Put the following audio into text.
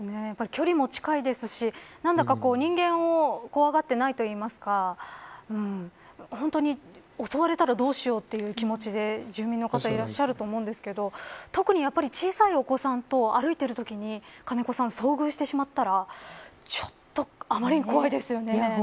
距離も近いですし、何だか人間を怖がっていないといいますか本当に襲われたらどうしようという気持ちで、住民の方いらっしゃると思うんですけど特に小さいお子さんと歩いているときに遭遇してしまったらちょっとあまりに怖いですよね。